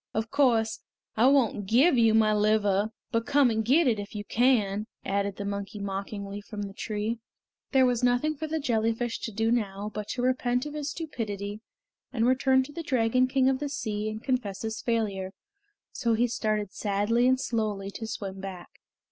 "Of course, I won't give you my liver, but come and get it if you can!" added the monkey mockingly from the tree. There was nothing for the jellyfish to do now but to repent of his stupidity, and return to the Dragon King of the Sea and confess his failure, so he started sadly and slowly to swim back.